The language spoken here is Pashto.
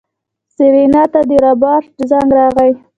سېرېنا ته د رابرټ زنګ راغی.